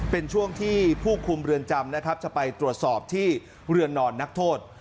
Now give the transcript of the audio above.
เป็นช่วงที่ผู้คุมเรือนจำนะครับจะไปตรวจสอบที่เรือนนอนนักโทษ